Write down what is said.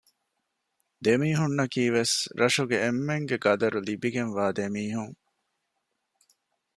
ދެ މީހުންނަކީވެސް ރަށުގެ އެންމެންގެ ޤަދަރު ލިބިގެންވާ ދެމީހުން